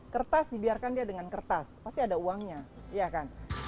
kertas dibiarkan dia dengan kertas pasti ada uangnya